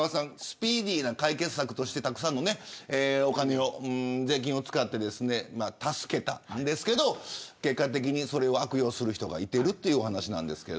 スピーディーな解決策としてたくさんの税金を使って助けたんですけれど結果的に、それを悪用する人がいてるというお話です。